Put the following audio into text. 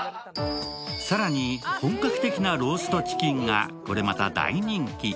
更に、本格的なローストチキンがこれまた大人気。